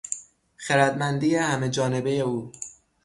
خردمندی همه جانبهی او